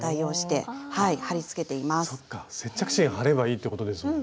そっか接着芯貼ればいいってことですもんね。